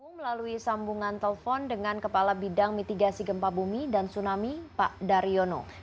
melalui sambungan telepon dengan kepala bidang mitigasi gempa bumi dan tsunami pak daryono